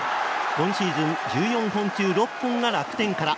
今シーズン１４本中６本が楽天から。